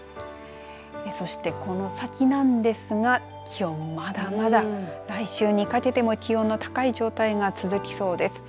そして、この先なんですが気温、まだまだ来週にかけても気温の高い状態が続きそうです。